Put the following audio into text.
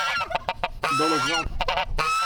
Bel exemple